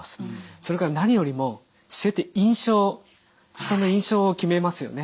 それから何よりも姿勢って人の印象を決めますよね。